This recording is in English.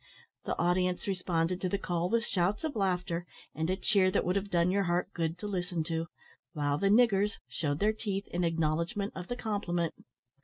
The audience responded to the call with shouts of laughter, and a cheer that would have done your heart good to listen to, while the niggers shewed their teeth in acknowledgment of the compliment.